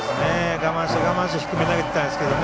我慢して低めに投げてたんですけどね